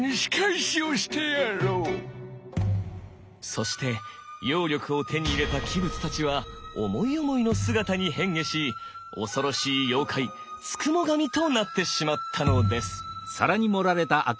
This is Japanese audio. そして妖力を手に入れた器物たちは思い思いの姿に変化し恐ろしい妖怪付喪神となってしまったのです。